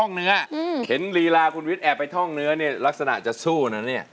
เนื้อเห็นลีลาคุณวิทย์แอบไปท่องเนื้อเนี่ยลักษณะจะสู้นะเนี่ย